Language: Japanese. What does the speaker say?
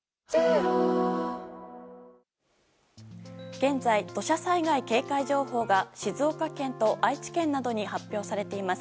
現在、土砂災害警戒情報が静岡県と愛知県などに発表されています。